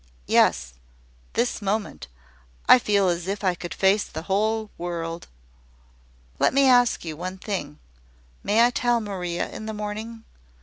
Yes: this moment. I feel as if I could face the whole world." "Let me ask one thing. May I tell Maria in the morning?